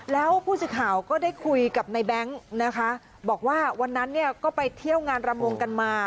แล้วผู้สื่อข่าวก็ได้คุยกับในแบงค์นะคะบอกว่าวันนั้นเนี่ยก็ไปเที่ยวงานรำวงกันมา